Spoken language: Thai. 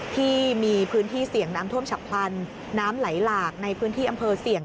ที่มีพื้นที่เสี่ยงน้ำท่วมฉับพลันน้ำไหลหลากในพื้นที่อำเภอเสี่ยง